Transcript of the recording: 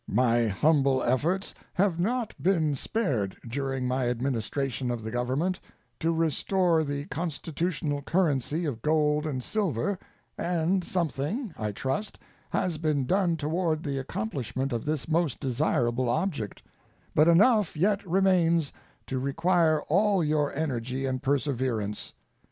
My humble efforts have not been spared during my administration of the Government to restore the constitutional currency of gold and silver, and something, I trust, has been done toward the accomplishment of this most desirable object; but enough yet remains to require all your energy and perseverance.